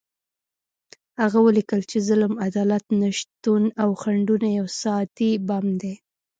هغه ولیکل چې ظلم، عدالت نشتون او خنډونه یو ساعتي بم دی.